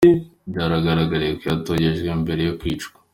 Byagaragaye ko yatotejwe mbere yo kicwa.